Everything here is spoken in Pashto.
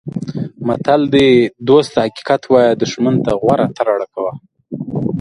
متل دی: دوست ته حقیقت وایه دوښمن ته غوره ترړه کوه.